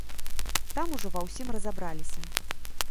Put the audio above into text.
Там ужо ва ўсім разабраліся.